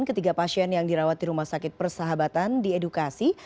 ketiga pasien yang dirawat di rumah sakit persahabatan diedukasi